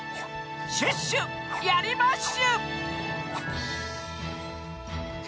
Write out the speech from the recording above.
「シュッシュやりまッシュ！」